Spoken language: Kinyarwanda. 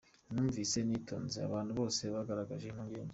"Numvise nitonze abantu bose bagaragaje impungenge.